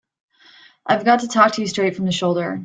I've got to talk to you straight from the shoulder.